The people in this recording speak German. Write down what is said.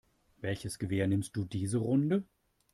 Welches Gewehr nimmst du diese Runde?